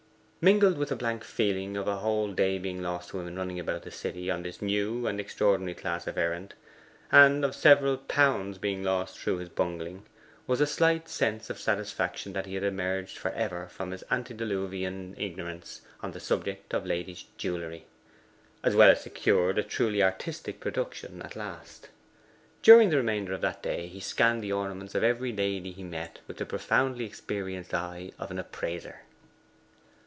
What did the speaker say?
Mingled with a blank feeling of a whole day being lost to him in running about the city on this new and extraordinary class of errand, and of several pounds being lost through his bungling, was a slight sense of satisfaction that he had emerged for ever from his antediluvian ignorance on the subject of ladies' jewellery, as well as secured a truly artistic production at last. During the remainder of that day he scanned the ornaments of every lady he met with the profoundly experienced eye of an appraiser.